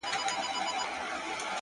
زما او ستا په جدايۍ خوشحاله!!